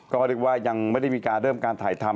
ก็ดูว่ายังไม่ได้มีการเริ่มการถ่ายธรรม